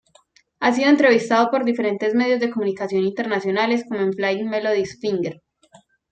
Ha sido entrevistado por diferentes medios de comunicación internacionales como el 'Flying Melodies Finger.